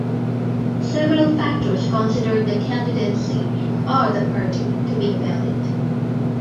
Several factors considered the candidacy or the party to be invalid.